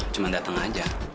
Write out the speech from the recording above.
cuma dateng aja